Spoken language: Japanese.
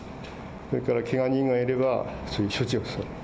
それからけが人がいれば処置をする。